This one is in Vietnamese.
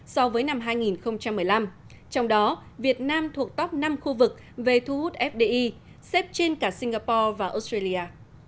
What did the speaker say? so với năm hai nghìn một mươi năm trong đó việt nam thuộc top năm khu vực về thu hút fdi xếp trên cả singapore và australia